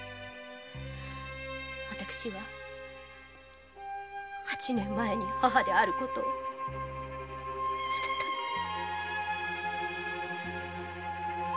私は八年前に母である事を捨てたのです。